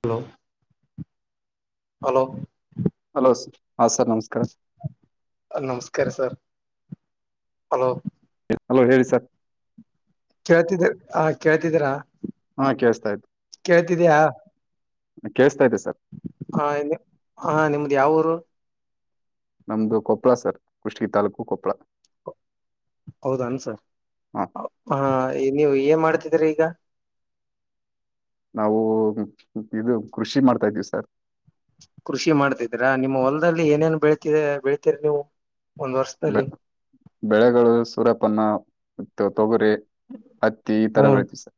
Hello hello hello ಹಾ sir ನಮಸ್ಕಾರ [unintelligible] sir hello hello ಹೇಳರಿ ಸರ್ ಕೇಳ್ತಿದ ಹ ಕೇಳ್ತಿದರಾ ಹಾಂ ಕೇಳಿಸ್ತಾ ಕೇಳ್ತಿದಯ ಕೆಸ ಹಾ ಹಾ ನಿಮ್ದ್ ಯಾವಊರು. ನಮ್ದು ಕೊಪ್ಪಳ ಸರ್ ಕುೃಷಿ ತಾಲೂಕು ಕೊಪ್ಪಳ ಹೌದ ಅನ್ಸರ್ ಹಾಂ ನೀವು ಏನ್ ಮಾಡ್ತಿದೀರ ಈಗ. ನಾವು ಇದು ಕೃಷಿ ಮಾಡ್ತಾ ಇದ್ದೀವಿ ಸರ್ ಕೃಷಿ ಮಾಡ್ತಿದೀರಾ ನಿಮ್ಮ ಹೊಲದಲ್ಲಿ ಏನೇನ್ ಬೆಳಳ್ತ ಬೆಳ್ತೀರಿ ನೀವು. ಒಂದ್ ಬೆ ವರ್ಷದಲ್ಲಿ ಬೆಳೆಗಳು ಸೂರಪ್ಪನ್ನ. [unintelligible] ತೊಗುರೆ ಅತ್ತಿ ಹ್ಮ್ ತರಬಳತಿ ಸ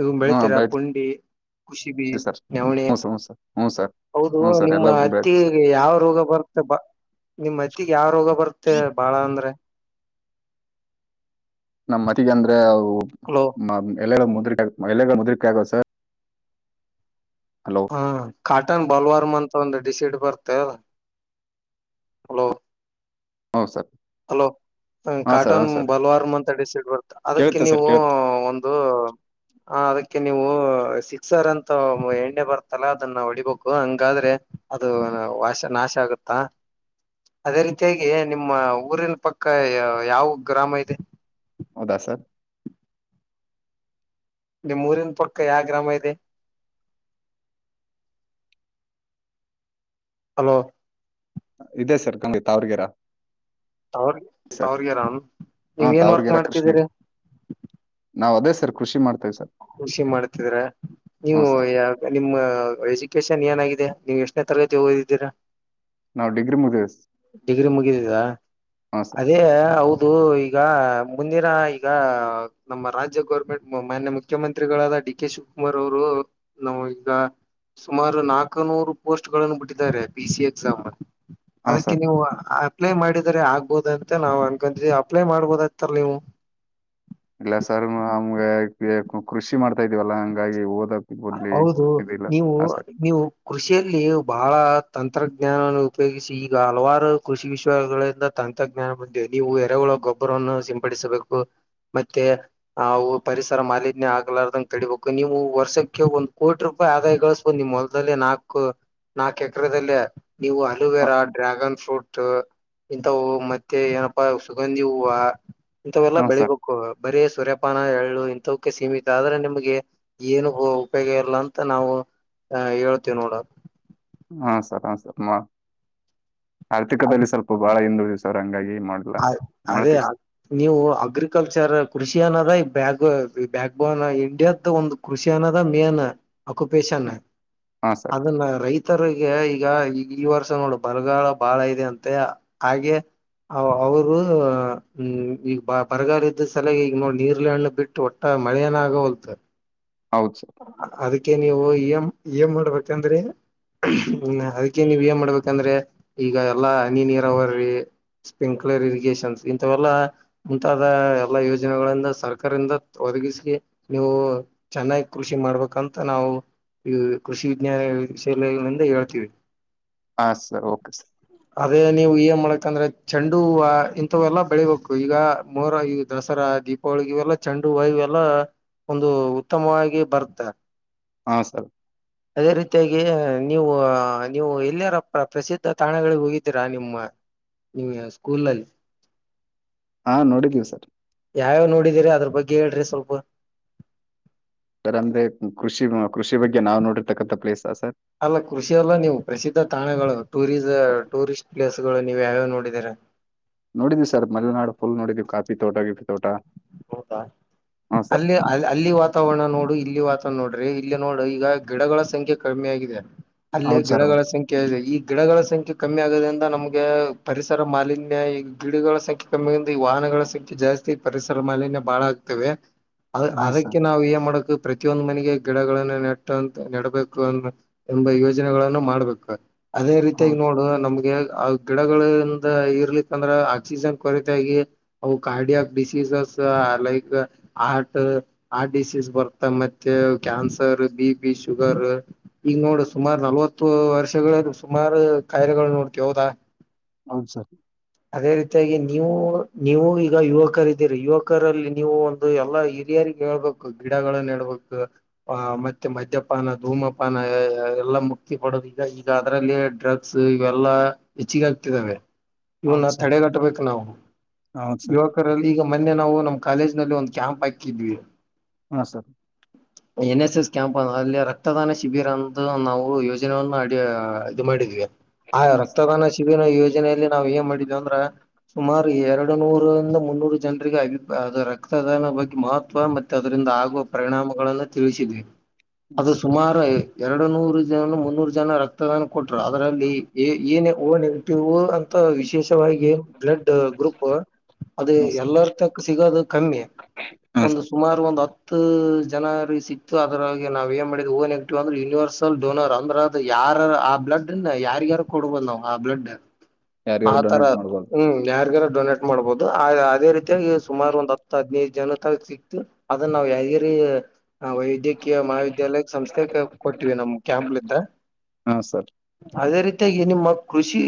ಇದು ಬೆಳತೀರಾ ಪುಂಡಿ ಕುಸಿಬಿ ಸರ್ ನವಣೆ ಹ ಸರ್ ಹ ಸರ್ ಹ್ ಸರ್ ಹೌದು ಹ್ಞೂ ಸರ್ ನಿಮ್ಮ ಎಲ್ಲ ಅತ್ತಿ ಬೆಳಿತೀವಿ ಸರ್ ಯಾವ ರೋಗ ಬರುತ್ತೆ ಬ ನಿಮ್ಮ. ಮತ್ತಿಗೆ ಯಾವ ರೋಗ ಬರುತ್ತೆ ಬಾಳ ಅಂದ್ರೆ ನಮ್ಮ್ ಮತಿಗೆ ಅಂದ್ರೆ ಹಲೋ ಎಲ್ಲಗ ಮುದ್ರ ಎಲ್ಲಗ ಮುದ್ರಕ ಆಗವ ಸರ್. ಹಲೋ ಹ್ಮ ಕಾಟನ್ ಬಲ್ವಾರ ಮ ಮೊಂದು ಡಿಸಿಡ್ ಬರ್ತ ಹಲೋ. ಹು ಸರ್ ಹಲೋ ಹ ಹಾಂ ಸರ್ ಹಾಂ ಕಾಟನ್ ಸರ್ ಬಲ್ವಾರ ಮತ ಅಸಿಡ್ ಬರುತ್ತೆ ಅದಕ್ಕೆ ಕೇಳುತ್ತೆ ಸರ್ ನೀವು ಕೇಳುತ್ತೆ ಒಂದು ಹ ಅದಕ್ಕೆ ನೀವು ಸಿಕ್ಸರ್ ಅಂತ ಎಣ್ಣೆ ಬರ್ತಲ್ಲ ಅದನ್ನ ಹೊಡಿಬೇಕು ಹಂಗಾದ್ರೆ ಅದು ವಾಶನಾ ಆಗುತ್ತಾ ಅದೇ ರೀತಿಯಾಗಿ ನಿಮ್ಮ ಊರಿನ ಪಕ್ಕ ಯಾವ ಗ್ರಾಮ ಇದೆ ಹೌದಾ ಸರ್ ನಿಮ್ಮ್ ಊರಿನ ಪಕ್ಕ ಯಾವ ಗ್ರಾಮ ಇದೆ ಹಲೋ ಇದೆ ಸರ್ ಗಂಗ ತಾವ್ರಗರ. ಅವ್ರ ಅವ್ರಿಗೆರಾಮ ಹಾ ನೀವ ಏನ್ ವರ್ಕ್ ಮಾಡ್ತಿದ್ದೀರಿ ನಾವು ಅದೇ ಸರ್ ಕೃಷಿ ಮಾಡ್ತೇವಿ ಸರ್ ಕೃಷಿ ಮಾಡ್ತಿದ್ರೆ ಹ್ಞೂ ನೀವು ಸರ್ ಯ ನಿಮ್ಮ ಎಜುಕೇಶನ್ ಏನಾಗಿದೆ ನೀವು ಎಷ್ಟನೇ ತರಗತಿ ಓದಿದ್ದೀರಾ ನಾವ ಡಿಗ್ರಿ ಮುಗದಿದೇ ಸರ್ ಡಿಗ್ರಿ ಮುಗಿದಿದಾ ಸರ್ ಅದೇ ಅವು ಇದು ಈಗ ಮುಂದಿನ ಈಗ ನಮ್ಮ ರಾಜ್ಯ ಗೌರ್ಮೆಂಟ್ ಮಾನ್ಯ ಮುಖ್ಯಮಂತ್ರಿಗಳಾದ ಡಿ ಕೆ ಶಿವಕುಮಾರ್ ಅವರು ನಮ್ ಈಗ ಸುಮಾರು ನಾಕು ನೂರು ಪೋಸ್ಟ್ ಗಳನ್ನು ಬಿಟ್ಟಿದ್ದಾರೆ ಪಿ ಸಿ ಎಕ್ಸಾಮ್ ಹ್ಞೂ ಅದಕ್ಕೆ ಸರ್ ನೀವು ಆ ಅಪ್ಲೈ ಮಾಡಿದರೆ ಆಗ್ಬೋದ ಅಂತ ನಾವವು ಅನ್ಕೊಂತಿದವಿ ಅಪ್ಲೈ ಮಾಡ್ಬೋದ್ತಲ್ ನೀವು ಇಲ್ಲ ಸರ್ ನಮ್ಗೆ ಕೃಷಿ ಮಾಡ್ತಾ ಇದ್ದೀವಲ್ಲಾ ಹಂಗಾಗಿ ಓದಕ್ ಓದ್ಲಿ ಹೌದು ಇದಿಲ್ಲ ಸರ್. ನೀವು ಹಾ ಸರ್ ನೀವು ಕೃಷಿಯಲ್ಲಿ ಬಹಳಾ ತಂತ್ರಜ್ಞಾನವನ್ನು ಉಪಯೋಗಿಸಿ ಈಗ ಹಲವಾರು ಕೃಷಿ ವಿಶ್ವಗಳಿಂದ ತಂತ್ರಜ್ಞಾನ ಬಂದಿದೆ ನೀವು ಎರೆಹುಳು ಗೊಬ್ಬರನ್ನು ಸಿಂಪಡಿಸಬೇಕು ಮತ್ತೆ ಅ ಪರಿಸರ ಮಾಲಿನ್ಯ ಆಗ್ಲಾರದಂಗ ತಡಿಬೇಕು ನೀವು ವರ್ಷಕ್ಕ ಒಂದ್ ಕೋಟಿ ರೂಪಾಯಿ ಆದಾಯ ಗಳಸಬೇಕ ನಿಮ್ ಹೊಲದಲ್ಲಿ ನಾಕ್ ನಾಕ್ ಎಕರೆದಲ್ಲಿ ನೀವು ಹಾ ಅಲೋವೇರಾ, ಡ್ರ್ಯಾಗನ್, ಫ್ರೂಟ್ ಇಂಥ ಹೂವು ಮತ್ತೆ ಏನಪ್ಪಾ ಸುಗಂಧಿ ಹೂವು ಇಂಥವೆಲ್ಲ ಹಾ ಸರ್ ಬೆಳಿಬೇಕು ಬರೀ ಸುರೆಪಾನ ಪ್ಪಾನ ಎಳ್ಳು ಇಂಥಕೆ ಸೀಮಿತ ಆದ್ರೆ ನಿಮಗೆ ಏನು ಹ ಉಪಯೋಗ ಇಲ್ಲ ಅಂತ ನಾವು ಅ ಹೇಳ್ತೇವಿ ನೋಡ ಹಾ ಸರ್ ಹ ಸರ್ ಆರ್ಥಿಕದಲ್ಲಿ ಸ್ವಲ್ಪ ಬಾಳ ಹಿಂದುಳಿದವ ಸರ್ ಹಿಂಗಾಗಿ ಅ ಅದೇ ನೀವು ಅಗ್ರಿಕಲ್ಚರ್ ಕೃಷಿ ಏನ ಅದ ಬ ಬ್ಯಾಕ್ ಬೋನ್ ಇಂಡಿಯ್ದು ಒಂದು ಕೃಷಿ ಅನ್ನೋದ ಮೇನ್ ಅಕ್ಯುಪೆಷನ್ ಹಾ ಹಾ ಸರ್ ಅದನ್ನ ರೈತರಿಗೆ ಈಗ ಈಗ ಈ ವರ್ಷ ನೋಡು ಬರಗಾಲ ಬಾಳ ಇದೆ ಅಂತೆ ಹಾಗೆ ಅವರು ಈಗ ಬರಗಾಲ ಇದ ಸಲಾಗಿ ಈಗ ನೋಡ ನೀರಳೇ ಹಣ್ಣು ಬಿಟ್ಟು ಒಟ್ಟ ಮಳೆಯನಾಗ ಒಲ್ತ್ ಹೌದು ಸರ್ ಅದಕ್ಕೆ ನೀವು ಎಂ ಇ ಎಂ ಮಾಡ್ಬೇಕಂದ್ರೆ ಹ್ಮ ಅದಕ್ಕೆ ನೀವ ಏನ್ ಮಾಡ್ಬೇಕಂದ್ರೆ ಈಗ ಎಲ್ಲಾ ಹನಿ ನೀರಾವರಿ ಸ್ಪ್ರಿಂಕ್ಲರ್ ಇರಿಗೇಶನ್ಸ್ ಇಂಥವೆಲ್ಲಾ ಮುಂತಾದ ಎಲ್ಲಾ ಯೋಜನೆಗಳಿಂದ ಸರ್ಕಾರಿಂದ ಒದಗಿಸಿ ನೀವು ಚೆನ್ನಾಗಿ ಕೃಷಿ ಮಾಡ್ಬೇಕಂತ ನಾವು ಈ ಕೃಷಿ ವಿಜ್ಞಾನ ವಿಷಯಲಿಂದ ಹೇಳ್ತೀವಿ. ಹಾ ಸರ್ ಓಕೆ ಸರ್ ಅದೇ ನೀವು ಏನ್ ಮಾಡ್ಕಂದ್ರೆ ಚೆಂಡು ಹೂವಾ ಇತ್ತಾವೆಲ್ಲಾ ಬೆಳಿಬೇಕು ಈಗ ಮೋರ ಈ ದಸರಾ ದೀಪಾವಳಿಗೆ ಇವೆಲ್ಲ ಚೆಂಡು ಹೂವಾಇವೆಲ್ಲಾ ಒಂದು ಉತ್ತಮವಾಗಿ ಬರುತ್ತೆ ಹಾ ಸರ್ ಅದೇ ರೀತಿಯಾಗಿ ನೀವು ನೀವು ಎಲ್ಲಿಯರ ಪ್ರ ಪ್ರಸಿದ್ಧ ತಾಣಗಳಿಗೆ ಹೋಗಿದ್ದೀರಾ ನಿಮ್ಮ ನೀ ಸ್ಕೂಲ್ನಲ್ಲಿ ಹಾ ನೋಡಿದೀವಿ ಸರ್ ಯಾವ್ಯಾವ ನೋಡಿದೀರಿ ಅದ್ರ ಬಗ್ಗೆ ಹೇಳ್ರಿ ಸ್ವಲ್ಪ ಸರ್ ಅಂದ್ರೆ ಕೃಷಿ ಕೃಷಿ ಬಗ್ಗೆ ನಾವ್ ನೋಡಿರ್ತಕ್ಕಂತ ಪ್ಲೇಸ್ ಸರ್ ಅಲ್ಲ ಕೃಷಿ ಅಲ್ಲ ನೀವು ಪ್ರಸಿದ್ಧ ತಾಣಗಳು ಟೂರಿಸ್ ಟೂರಿಸ್ಟ್ ಪ್ಲೇಸ್ ನೀವ್ ಯಾವ್ಯಾವ ನೋಡಿದೀರಾ ನೋಡಿದ್ವಿ ಸರ್ ಮಲೆನಾಡು ಫುಲ್ ನೋಡಿದ್ವಿ ಕಾಫಿ ತೋಟ ಗಿಫಿ ತೋಟ ಹೌದಾ ಹಾ ಸರ್ ಅಲ್ಲಿ ಅ ಅಲ್ಲಿ ವಾತಾವರಣ ನೋಡು ಇಲ್ಲಿ ವಾತ ನೋಡ್ರಿ ಇಲ್ಲ ನೋಡ್ರಿ ಈಗ ಗಿಡಗಳ ಸಂಖ್ಯೆ ಕಡಿಮ್ಮಿ ಆಗಿದೆ ಅಲ್ಲೇ ಹೌದು ಸರ್ ಹೌದು ಗಿಡಗಳ ಸಂಖ್ಯೆ ಇದೆ ಈ ಗಿಡಗಳ ಸಂಖ್ಯೆ ಕಮ್ಮಿ ಆಗೋದ್ರಿಂದ ನಮಗೆ ಪರಿಸರ ಮಾಲಿನ್ಯ ಈ ಗಿಡಗಳ ಸಂಖ್ಯೆ ಕಮ್ಮಿ ಆಗ ಈ ವಾಹನಗಳ ಸಂಖ್ಯೆ ಜಾಸ್ತಿ ತಿ ಪರಿಸರ ಮಾಲಿನ್ಯ ಬಾಳ ಆಗ್ತೇವೆ ಅ ಹಾಂ ಸರ್ ಅದಕ್ಕೆ ನಾವು ಏ ಮಾಡಕ ಪ್ರತಿಯೊಂದು ಮನೆಗೆ ಗಿಡಗಳನ್ನ ನೆಟ್ಟಂತ ನೆಡಬೇಕು ಅ ಎಂಬ ಯೋಜನೆಗಳನ್ನು ಮಾಡ್ಬೇಕ ಅದೇ ರೀತಿಯಾಗಿ ಹೌದು ನೋಡು ನಮ್ಗೆ ಅ ಗಿಡಗಳಿಂದ ಇರ್ಲಿಕ್ಕ ಅಂದ್ರ ಆಕ್ಸಿಜನ್ ಕೊರತ ಆಾಗಿ ಅವು ಕಾರ್ಡಿಯಕ್ ಡಿಸೀಸಸ್ ಲೈಕ್ ಹಾರ್ಟ ಹಾರ್ ಡಿಸೀಸ್ ಬರ್ತ್ತ ಮತ್ತೆ ಕ್ಯಾನ್ಸರ್ ಬಿ ಬಿ ಶುಗರ್ ಈಗ ನೋಡ ಸುಮಾರು ನಲವತ್ತು ವರ್ಷಗಳ ಸುಮಾರು ಕಾಯಿಲೆಗಳು ನೋಡ್ದ ಹ [unintelligible] ಹೌದು ಸರ್ ಅದೇ ರೀತಿಯಾಗಿ ನೀವು ನೀವು ಈಗ ಯುವಕರ ಇದ್ದೀರಿ ಯುವಕರಲ್ಲಿ ನೀವು ಒಂದು ಎಲ್ಲಾ ಏರಿಯಾ ಹೇಳ್ಬೇಕು ಗಿಡನ್ನ ನೆಡಬೇಕು ಮತ್ತೆ ಮದ್ಯಪಾನ ಧೂಮಪಾನ ಎಲ್ಲ ಮುಕ್ತಿ ಪಡದು ಈಗ ಈಗ ಅದರಲ್ಲಿ ಡ್ರಗ್ಸ್ ಇವೆಲ್ಲಾ ಹೆಚ್ಚಿಗೆ ಆ್ತದಾವೆ ಇವನ್ನ ಹೌದು ಸರ್ ತಡೆಗಟ್ಟಬೇಕು ನಾವು ಹೌದು ಸರ್ ಯುವಕರಲ್ಲಿ ಈಗ ಮೊನೆನಾವು ನಮ್ಮ ಕಾಲೇಜ್ ನಲ್ಲಿ ಒಂದ್ ಕ್ಯಾಂಪ್ ಹಾಕಿದ್ವಿ ಹಾ sir N S S camp ಅ ಅಲ್ಲಿ ರಕ್ತದಾನ ಶಿಬಿರ ಅಂತ ನಾವು ಯೋಜನೆಯನ್ನ ಅಡಿ ಇದು ಮಾಡಿದ್ವಿ ಆ ಹಾಂ ಸರ್ ರಕ್ತದಾನ ಶಿಬಿರ ಯೋಜನೆಯಲ್ಲಿ ನಾವ್ ಏನ್ ಮಾಡಿದೇವಿ ಅಂದ್ರ ಸುಮಾರ ಎರಡು ನೂರಂದ ಮುನ್ನೂರು ಜನರಿಗೆ ಅಭಿ ರಕ್ತ ರಕ್ತದಾನ ಬಗ್ಗೆ ಮಹತ್ವ ಮತ್ತೆ ಅದರಿಂದ ಆಗುವ ಪರಿಣಾಮಗಳಗಳನ್ನು ತಿಳಿಸಿದೆೆ ಹಾಂ ಅದು ಸರ್ ಸುಮಾರು ಎರಡು ನೂರು ಜನ ಮುನ್ನೂರು ಜನ ರಕ್ತದಾನ ಕೊಟರು ಅದ್ರಲ್ಲಿ ಏ ಓ ನೆಗೆಟಿವ್ ಅಂತ ವಿಷ ವಿಶೇಷವಾಗಿ ಬ್ಲಡ್ ಗ್ರೂಪ್ ಅದು ಹಾಂ ಸರ್ ಎಲ್ಲರ್ ತಕ್ಕ ಸಿಗೋದು ಕಮ್ಮಿ ಹಾಂ ಒಂದು ಸರ್ ಸುಮಾರು ಒಂದು ಹತ್ತು ಜ ಜನ ಸಿಕ್ತ ಅದರಾಗಿ ನಾವ ಏನ್ ಮಾಡಿದ ಓ ನೆಗಟಿವ್ ಅಂದ್ರೆ ಯೂನಿವರ್ಸಲ್ ಡೋನರ್ ಅಂದ್ರೆ ಅದು ಯಾರ ಆಬ್ [unintelligible] ಯಾರ್ಗ್ಯಾರ ಕೊಡಬೋದು ನಾವ್ ಆ ಬ್ಲಡ್ ಯಾರಿಗಾರು ಆತರ ಡೊನೇಟ್ ಮಾಡ್ಬೋದು ಹ್ಮ ಯ ಡೊನೇಟ್ ಮಾಡ್ಬಹುದು ಅದೇ ರೀತಿಯಾಗಿ ಸುಮಾರು ಒಂದ ಹತ್ತು ಹದಿನೈದು ಜನ ತ ಸಿಕ್ತು ಅದನ್ನ ನಾವುತಿ ವೈದ್ಯಕೀಯ ಮಹಾವಿದ್ಯಾಲಯ ಸಂಸ್ಥೆ ಕೊಟ್ಟೀವಿ ನಮ್ ಕ್ಯಾಂಪ್ಲಿಂದ ಹಾಂ ಸರ್ ಅದೇ ರೀತಿಯಾಗಿ ನಿಮ್ಮ ಕೃಷಿ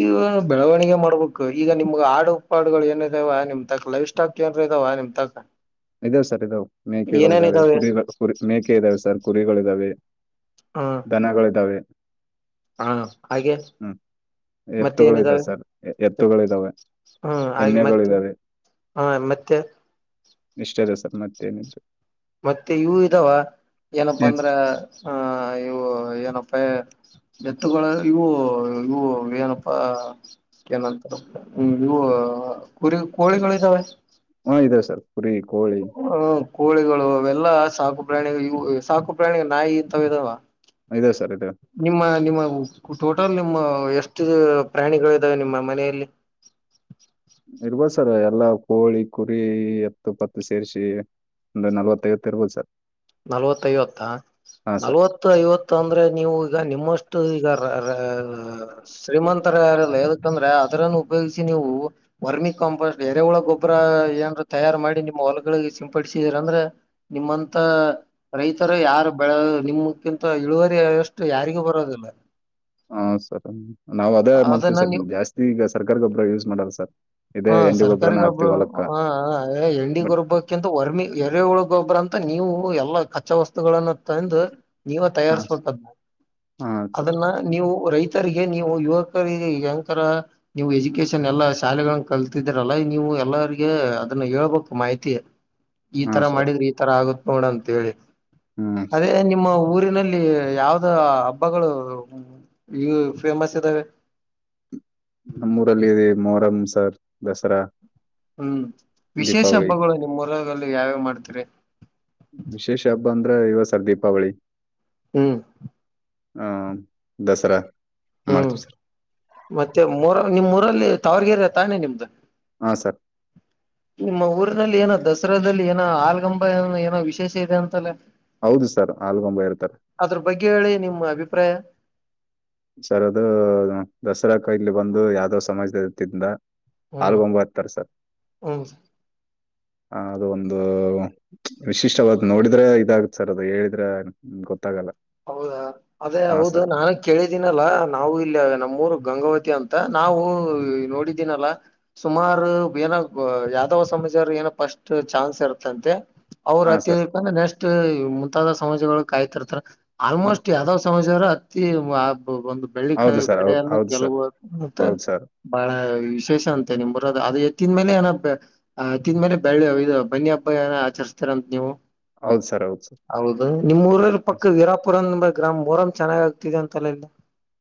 ಬೆಳವಣಿಗೆ ಮಾಡ್ಬೇಕು ಈಗ ನಿಮ್ಗ್ ಆಡು ಪಾಡುಗಳು ಏನ್ ಇದಾವ ನಿಮ್ ತಕ ಲೈಫ್ ಸ್ಟಾಕ್ ಏನ್ ಇದಾವ ನಿಮ್ ತಕ ಇದಾವ ಸರ್ ಇದಾವ ಮೇಕೆಗಳಿದಾವೆ ಕುರಿ ಕುರಿ ಮೇಕೆ ಇದ್ದಾವೆ ಸರ್ ಕುರಿಗಳು ಇದಾವೆ ದನಗಳಿದ್ದಾವೆ ಹಾ ಹಾಗೆ ಮತ್ತೆ ಎತ್ತುಗಳಿದಾವೆ ಏನಿದಾವೆ ಸರ್ ಎ- ಎತ್ತುಗಳಿದಾವೆ ಹ್ಮ್ ಹಾಗೆ ಮತ್ತೆ ಎಮ್ಮೆಗಳಿದಾವೆ ಹಾ ಮತ್ತೆ ಇಷ್ಟ ದಿವಸರ್ ಮತ್ತೇನು ಮತ್ತೆ ಇವು ಇದಾವ ಏನಪ್ಪಾ ಏನ್ ಅಂದ್ರ ಸರ್ ಆ ಇವು ಏನಪ್ಪ ಎತ್ತುಗಳ ಇವು ಇವು ಏನಪ್ಪಾ ಅದ್ಕೆ ಏನಂತರ ಇ ಕುರಿ ಕೋಳಿಗಳು ಇದಾವೆ ಹಾ ಇದದೆ ಸರ್ ಕುರಿ ಕೋಳಿ ಹ್ಮ ಕೋಳಿಗಳು ಅವೆಲ್ಲ ಸಾಕು ಪ್ರಾಣಿ ಸಾಕು ಪ್ರಾಣಿ ನಾಯಿ ಇತಾವ ಇದಾವ ಇದೆ ಸರ್ ಇದೆ ನಿಮ್ಮ ನಿಮ್ಮಟ ಮಿನಿಮಮ್ ನಿಮ್ಮ ಎಷ್ಟು ಪ್ರಾಣಿಗಳು ಇದಾವೆ ನಿಮ್ಮ ಮನೆಯಲ್ಲಿ ಇರ್ಬೋದ್ ಸರ್ ಎಲ್ಲಾ ಕೋಳಿ ಕುರಿ ಎತ್ತು ಪತ್ತು ಸೇರ್ಸಿ ಒಂದ ನಲವತ್ತೈಐವತ್ತು ಇರ್ಬೋದು ಸರ್ ನಲ್ವತ್ತ ಐವತ್ತಾ ಹಾಂ ನಲ್ವತ್ತು ಐವತ್ತು ಅಂದ್ರೆ ನೀವು ಈಗ ನಿಮ್ಮಷ್ಟು ಈಗ ರ ರ ಸರ್ ಶ್ರೀಮಂತ ಯಾರಿಲ್ಲ ಯದಕಂದ್ರೆ ಅರನ್ನು ಉಪಯೋಗಿಸಿ ನೀವು ವರ್ಮಿ ಕಾಂಪೋಸ್ಟ್ ಎರೆ ಹುಳ ಗೊಬ್ಬರ ಏನರ ತಯಾರ ಮಾಡಿ ನಿಮ್ಮ ಹೊಲಗಳಿಗೆ ಸಿಂಪಡಿಸಿದ್ರ ಅಂದ್ರೆ ನಿಮ್ಮಂ ಂತ ರೈತರು ಯಾರು ಬೆಳ ನಿಮಕ್ಕಿಂತ ಇಳುವರಿ ಅಷ್ಟು ಯಾರಿಗೂ ಬರೋದಿಲ್ಲ ಹಾ ಸರ್ ನಾವ್ ಅದೇ ಮಾಡ್ತೀವಿ ಅದನ್ನ ಸರ್ ನೀವು ಜಾಸ್ತಿ ಈಗ ಸರ್ಕಾರ ಗೊಬರ ಯೂಸ್ ಮಾಡಲ್ಲ ಸರ್ ಇದೇ ಹ ಎಂಡಿ ಸರ್ಕಾರಿ ಗೊಬ್ಬರನ ಗೊಬ್ರ ಹಾಕ್ತಿವಿ ಹೊಲಕ್ಕ ಹ ಹ ಎನ್ ಡಿ ಬಟ್ ಗರಬ್ಬಕಿಂತ ವರ್ಮಿ ಎರೆ ಹುಳಗೊಬ್ಬ್ರ ಅಂತ ನೀವು ಎಲ್ಲಾ ಕಚ್ಚಾ ವಸ್ತುಗಳನ್ನ ತಂದ ನೀವ ಹಾ ಸ- ತಯಾರಿಸಬೇಕಾದ್ನಾ ಹಾ ಸರ್ ಅದನ್ನ ಅದನ್ನ ನೀವು ರೈತ ತರ್ಗೆ ನೀವು ಯುವಕರಿಗೆ ಯಂತರ ನೀವು ಎಜುಕೇಶನ್ ಎಲ್ಲಾ ಶಾಲೆಗಳಗಳನ್ನು ಕಲ್ತಿದರಲ್ಲ ನೀವು ಎಲ್ಲರಿಗ ಅದನ್ನ ಹೇಳ್ಬೇಕ ಮಾಹಿತಿ ಈ ಹಾ ತರ ಸರ್ ಮಾಡಿದ್ರೆ ಈ ತರ ಆಗತ್ ನೋಡ ಅಂತ ಹೇಳಿ ಹ್ಮ್ ಅದೇ ಸರ್ ನಿಮ್ಮ ಊರಿನಲ್ಲಿ ಇಲ್ಲಿ ಯಾವ್ದ ಹಬ್ಬಗಳು ಉ ಈ ಫೇಮಸ್ ಇದ್ದಾವೆ ನಮ್ಮೂರಲ್ಲಿ ಇದೆ ಮೊರಂ ಸರ್ ದಸರಾ ಹ್ಮ್ ವಿಶೇಷ ದೀಪಾವಳಿ ಹಬ್ಬಗಳು ನಿಮ್ಮೂರರಲ್ಲಿ ಯಾವ್ಯಾವ ಮಾಡ್ತೀರಿ ವಿಶೇಷ ಹಬ್ಬ ಅಂದ್ರೆ ಇವ ಸರ್ ದೀಪಾವಳಿ ಹ್ಮ್ ಹ್ಮ ದಸರಾ ಹ್ಮ್ ಮಾಡ್ತೀವಿ ಸರ್ ಮತ್ತೆ ಮೂರ ನಿಮ್ಮ್ ಊರಲ್ಲಿ ತಾವರ್ಗೆರೆ ತಾನೇ ನಿಮ್ದು ಹಾ ಸರ್ ನಿಮ್ಮ ಊರಿನಲ್ಲಿ ಏನೋ ದಸರಾದಲ್ಲಿ ಏನೋ ಆಲಗಂಬ ಏ ಏನೋ ವಿಶೇಷ ಇದೆ ಅಂತಲ್ಲ. ಹೌದು ಸರ್ ಆಲ್ಗೊಂಬ ಇರ್ತಾರೆ ಅದರ ಬಗ್ಗೆ ಹೇಳಿ ನಿಮ್ಮ ಅಭಿಪ್ರಾಯ ಸರ್ ಅದು ದಸರಾ ಕೈಲಿ ಬಂದು ಯಾವುದೋ ಸಮಾಜದ ವತಿಯಿಂದ ಹ್ಮ್ ಹಾಲ್ಗ ಒಂಬತ್ತರ ಸರ್ ಹ್ಮ್ ಹ ಅದು ಒಂದು ವಿಶಿಷ್ಟವಾದ ನೋಡಿದ್ರೆ ಇದಾಗುತ್ತೆ ಸರ್ ಅದು ಹೇಳಿದ್ರೆ ಗೊತ್ತಾಗಲ್ಲ ಹೌದಾ ಅದೇ ಹಾ ಹೌದು ಸರ್ ನಾನು ಕೇಳಿದ ನಲ್ಲ ನಾವು ಇಲ್ಲಿ ನಮ್ಮೂರು ಗಂಗಾವತಿ ಅಂತ ನಾವು ನೋಡಿದ್ದೀನಲ್ಲ ಸುಮಾರ [unintelligible] ಒಂದ ಸಮಾಜಾರ ಏನ ಫಸ್ಟ್ ಚಾನ್ಸ್ ಇರುತ್ತಂತೆ ಅವರ ಹಾ ಅತಿ ಸರ್ ಹೇಳಬೇಕ ಅಂದ್ರ ನೆಕ್ಸ್ಟ್ ಮುಂತಾದ ಸಮಾಜಗಳೂ ಕಾಯ್ತಾರತರ ಆಲ್ಮೋಸ್ಟ್ ಯಾವ್ದಾವ್ ಸಮಾಜ ಅತ್ತಿ ವ ಒಂದು ಬೆಳ್ಳಿ ಹೌದು ಸರ್ ಹೌದು ಕಡೆಯನ್ನು ಹೌದು ಸರ್ ಗೆಲ್ಲುವ ಅಂತ ಹೌದು ಸರ್ ಬಾಳ ವಿಶೇಷ ಅಂತೆ ನಿಮ್ ಬರ ಅದು ತಿಂದ ಮೇಲೆ ಏನ ತಿಂದ್ಮೇಲೆ ಬೆಳ್ಳಿ ಇ ಬನ್ನಿ ಹಬ್ಬ ಏನ ಆಚರಿಸಸ್ತಾರಂತೆ ನೀವು ಹೌದು ಸರ್ ಹೌದು ಸರ್ ಹೌದು ನಿಮ್ಮ್ ಊರರ ಪಕ್ಕ ವಿರಾ ಗ್ರಾಮ್ ಬರಮ್ ಚೆನ್ನಾಗ ಆಗ್ತಿದೆ ಅಂತಲ್ಲ ಇಲ್ಲ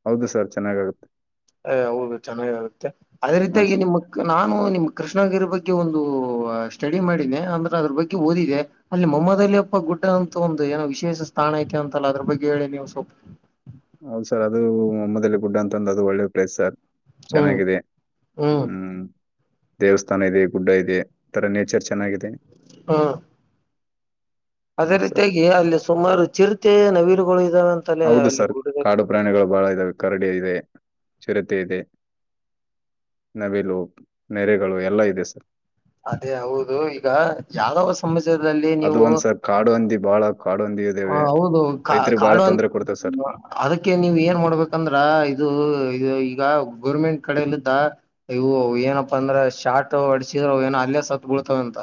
ಹೌದು ಸರ್ ಚೆನ್ನಾಗಾಗು ಅ ಹೌದು ಚನ್ನಾಗಗುತ್ತೆ ಅದೇ ಹ್ಮ್ ರೀತಿಯಾಗಿ ಸ- ನಿಮ್ಮಕ್ ನಾನು ನಿಮ ಕೃಷ ಕೃಷ್ಣಗಿರಿ ಬಗ್ಗೆ ಒಂದು ಸ್ಟಡಿ ಮಾಡಿದೆನೆ ಅಂದ್ರೆ ಅದ್ರ ಬಗ್ಗೆ ಓದಿದೆ ಅಲ್ಲಿ ಮೊಮ್ಮದಲ್ಲಿ ಅಪ್ಪ ಗುಡ್ಡ ಇಂತೂ ಒಂದು ಏನೋ ವಿಶೇಷ ಸ್ಥಾನ ಐತೆ ಅಂತಲ್ಲ ಅದ್ರ ಬಗ್ಗೆ ಹೇಳಿ ನೀವು ಸ್ವಲ್ಪ ಹೌದ ಸರ್ ಅದು ಒಮ್ಮದಲ್ಲಿ ಗುಡ್ಡ ಅಂತಂದು ಅದು ಒಳ್ಳೆ ಪ್ಲೇಸ್ ಸರ್ ಹ್ಮ್ ಚೆನ್ನಾಗಿದೆ ಹ್ಮ್ ದೇವಸ್ಥಾನ ಇದೆ ಗುಡ್ಡ ಇದೆ ಈಥರ ನೇಚರ್ ಚೆನ್ನಾಗಿದೆ ಹಾ ಅದೇ ಹ್ಮ್ ಸರ್ ರೀತಿಯಾಗಿ ಅಲ್ಲಿ ಸುಮಾರು ಚಿರತೆ ನವಿಲುಗಳು ಇದಾವೆ ಅಂತಲೇ ಹೌದು ಅಲ್ಲಿ ಸರ್ ಗುಡದಲ್ಲಿ ಕಾಡು ಪ್ರಾಣಿಗಳು ಬಹಳ ಇದಾವ ಕರಡಿ ಇದೆ ಚಿರತೆ ಇದೆ ನವಿಲು ನೆರೆಗಳು ಎಲ್ಲಾ ಇದೆ ಸರ್ ಅದೇ ಹೌದು ಈಗ ಯಾವಾವ ಸಮಾಜದಲ್ಲಿ ಅದು ನೀವು ಒಂದ್ ಸರ್ ಕಾಡು ಹಂದಿ ಬಹಳ ಕಾಡು ಹಂದಿ ಹ ಇದಾವೆ ಹೌದು ರೈತರಿಗೆ ಬಹಳ ಕಾಡು ತೊಂದರೆ ಕೊಡ್ತೇವೆ ಸರ್ ಅದಕ್ಕೆ ನೀವ ಏನ್ ಮಾಡ್ಬೇಕಂದ್ರ ಇದು ಈಗ ಗೋರ್ಮೆಂಟ್ ಕಡಲ್ಲ ಇದ ಇವು ಏನಪ್ಪಾ ಅಂದ್ರೆ ಶಾರ್ಟ್ ಅಡಸಿದ್ರ ಏನ ಅಲ್ಲೇ ಸದ್ಗುಳ್ತವೆ ಅಂತ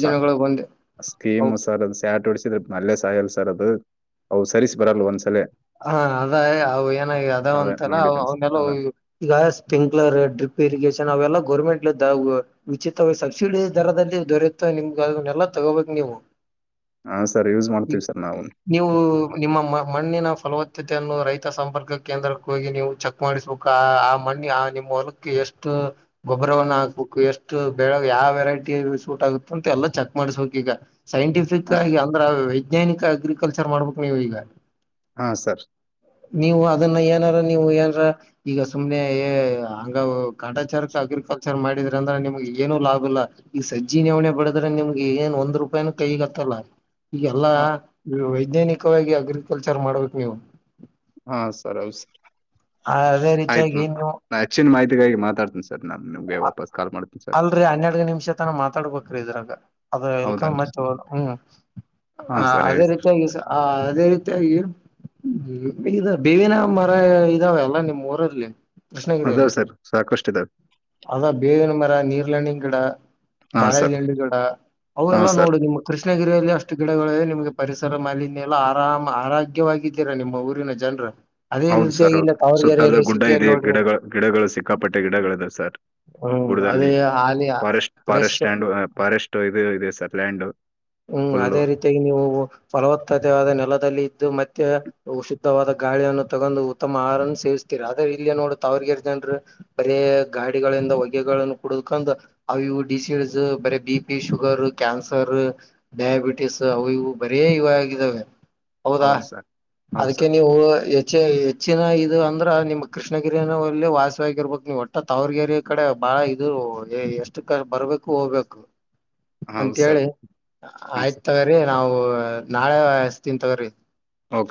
ಸ ಬಂದೆ ಸ್ಕೀಮ್ ಹ ಮಸಾಲ ಸ್ಯಾಟ್ ಉಡಿಸಿದ್ರ ಅಲ್ಲೆ ಸಾಯಲ್ ಸರ್ ಅದು ಅವು ಸರಿಸ್ ಬರಲ್ಲ ಒಂದ್ಸಲ ಹಾ ಅದ ಅವ ಏನಾಗಿ ಅದ ಅಂತಲ್ಲ ನೋಡಿದ್ದೇನೆ ಸರ್ ಅವೆಲ್ಲ ಅದ ಈಗ ಸ್ಪ್ರಿಂಕ್ಲರ್ ಡ್ರಿಪ್ ಇರಿಗಷನ್ ನಾವೆಲ್ಲಾ ಗೌರ್ಮೆಂಟ್ ಲಿಂದ ಉಚಿತವಾಗಿ ಸಬ್ಸಿಡಿ ದರದಲ್ಲಿ ದೊರೆತ ನಿಮ್ಗ ಅದನ್ನಲ್ಲ ತಗೋಬೇಕು ನೀವು ಹಾ ಸರ್ ಯೂಸ್ ಮಾಡ್ತೀವಿ ಸರ್ ನಾವು ನೀವು ನಿಮ್ಮ ಮಣ್ಣಿನ ಫಲವತ್ತತೆಯನ್ನು ರೈತ ಸಂಪರ್ಕ ಕೇಂದ್ರಕ್ಕೆ ಹೋಗಿ ನೀವು ಚೆಕ್ ಮಾಡಿಸ್ಬೇಕು ಆ ಆ ಮಣ್ಣಿ ಆ ನಿಮ್ಮ ಹೊಲಕ್ಕೆ ಎಷ್ಟು ಗೊಬ್ಬರವನ್ನ ಹಾಕ್ಬೇಕು ಎಷ್ಟು ಬೆಳ ಯಾವ ವೆರೈಟಿ ಸೂಟ್ ಆಗುತ್ತ ಅಂತ ಎಲ್ಲ ಚೆಕ್ ಮಾಡ್ಸ್ಬೇಕಕ್ ಈಗ ಸೈಂಟಿಫಿಕ್ ಆಗಿ ಅಂದ್ರೆ ವೈಜ್ಞಾನಿಕ ಅಗ್ರಿಕಲ್ಚರ್ ಮಾಡ್ಬೇಕು ನೀವು ಈಗ ಹಾ ಸರ್ ನೀವು ಅದನ್ನ ಏನಾರ ನೀವು ಏನ್ರ ಈಗ ಸುಮ್ನೆ ಹಂಗ ಕಾಟಾಚಾರಕ್ಕೆ ಅಗ್ರಿಕಲ್ಚರ್ ಮಾಡಿ ದ್ರ ಅಂದ್ರೆ ನಿಮ್ಗೆ ಏನು ಲಾಭ ಇಲ್ಲ ಈಗ ಸಜ್ಜ ನೆವಣನೆ ಬಡಿದ್ರೆ ನಿಮ್ಗೆ ಏನ್ ಒಂದ್ ರೂಪಾಯಿನ ಕೈಗ ಆತ್ತಲ್ಲ ಈಗೆಲ್ಲಾ ವೈಜ್ಞಾನಿಕವಾಗಿ ಅಗ್ರಿಕಲ್ಚರ್ ಮಾಡ್ಬೇಕು ನೀವು ಹಾ ಸರ್ ಹೌ ಸ ಅದೇ ಆಯ್ತು ರೀತಿಯಾಗಿ ನೀವು ನಾ ಹೆಚ್ಚಿನ ಮಾಹಿತಿಗಾಗಿ ಮಾತಾಡ್ತೀನಿ ಸರ್ ನಾನ್ ನಿಮ್ಗೆ ವಾಪಾಸ್ ಕಾಲ್ ಮಾಡ್ತೀನಿ ಸರ್ ಲ್ರಿ ಹನ್ನೆರಡ್ಗ ನಿಮಿಷ ತನ ಮಾತಾಡ್ಬೇಕ್ರೀ ಇದ್ರಂಗ ಅದ ಎಲ್ಕೊಂಡ ಹೌದನ್ರಿ ಮತ್ ಹ ಹ್ಮ ಹಾ ಹ ಸರ್ ಅದೇ ಹೇಳಿ ಸರ್ ರೀತಿಯಾಗಿ ಅದೇ ರೀತಿಯಾಗಿ ಹ್ಮ ಇದ ಬೇವಿನ ಮರ ಇದಾವೆಲ್ಲ ನಿಮ್ ಊರಲ್ಲಿ ಕೃಷ್ಣಗಿರಿಯಲ್ಲಿ ಅದಾವೆ ಸರ್ ಸಾಕಷ್ಟು ಇದಾವೆ ಅದ ಬೇವಿನ ಮರ ನೀರ್ಲೆಣ್ಣಿನ್ ಗಿಡ ಹಾ ಬಾಳೆ ಸರ್ ಜಂಡಿ ಗಿಡ ಹಾ ಅವರೆಲ್ಲಾ ಸರ್ ನೋಡು ನಿಮ್ಮ್ ಕೃಷ್ಣಗಿರಿಯಲ್ಲಿ ಅಷ್ಟು ಗಿಡಗಳಿವ ಮಗೆ ಪರಿಸರ ಮಾಲಿನ್ಯಲ್ಲ ಆರಾಮ ಆರೋಗ್ಯವಾಗಿದ್ದೀರಾ ನಿಮ್ಮ ಊರಿನ ಜನರು ಅದೇ ಹೌದು ಸರ್ ರೀತಿಯಾಗಿಲ್ಲ ಹೌದು ಸುತ್ತರದ ಗುಡ್ಡ ಇದೆ ಗಿಡ ಗಿಡಗಳು ಸಿಕ್ಕಾಪಟ್ಟೆ ಗಿಡಗಳಿದೆವ ಸರ್ ಹ್ಮ್ ಗಡದಲ್ಲಿ ಅದೇ ಹಾಲಿ ಫಾರೆಸ್ಟ್ ಫ್ರೆಶ್ ಫಾರೆಸ್ಟ್ ಫಾರೆಸ್ಟ್ ಇದು ಇದೆ ಸರ್ ಲ್ಯಾಂಡ್ ಹ್ಮ್ ಫುಲ್ಲು ಅದೇ ರೀತಿಯಾಗಿ ನೀವು ಫಲವತ್ತತೆೆಯವಾದ ನೆಲದಲ್ಲಿ ಇದ್ದು ಮತ್ತೆ ಉವಾದ ಗಾಳಿಯನ್ನು ತಗೊಂಡು ಉತ್ತಮ ಆಹಾರವನ್ನು ಸೇವ್ತೀರಿ ಆದ್ರೆ ಇಲ್ಲಿ ನೋಡು ತಾವರ್ಗರೆ ಜನರು ಬರೇ ಗಡಿಗಳಿಂದ ಒಗೆಗಳನ್ನು ಕುಡಕಂಡ್ ಅವು ಡಿಸೀಡ್ಸ್ ಬರ B P sugar cancer diabetes ಅವು ಇವು ಬರೇ ಇವಾಗಿದ್ದಾವೆ ಹೌದಾ ಹೌದು ಸರ್ ಹೌದು ಅದಕ್ಕೆ ಸರ್ ನೀವು ಹೆ ಹೆಚ್ಚಿನ ಇ ಅಂದ್ರ ನಿಮ್ಮ್ ಕೃಷ್ಣಗಿರಿಲ್ಲಿ ವಾಸಿಯಗರ್ಬೇಕು ನೀವು ಒಟ್ಟ ತಾವರ್ಗರೆ ಕಡೆ ಬಹಳ ಇದು ಎಷ್ಟು ಕಾಲ ಬರ್ಬೇಕು ಹೋಗ್ಬೇಕು ಹೌ ಸರ್ ಅಂತೇಳಿ ಹೌದು ಸರ್. ಆಯ್ತ್ ತಗ್ರಿ ನಾವು ನಾಳೆ ಎಸ್ತನ್ ತಗೋರಿ ಓಕೆ ಸ